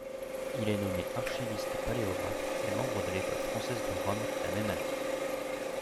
Il est nommé archiviste-paléographe et membre de l'École française de Rome la même année.